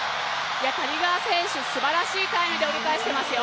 谷川選手、すばらしいタイムで折り返していますよ。